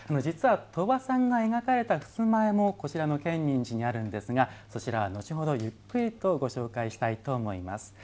実は鳥羽さんが描かれた襖絵もこちらの建仁寺にあるんですがそちらは後ほどゆっくりとご紹介したいと思います。